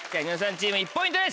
チーム１ポイントです。